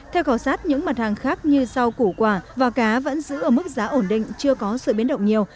theo khảo sát những mặt hàng khác như rau củ quả và cá vẫn giữ ở mức giá ổn định chưa có sự biến động nhiều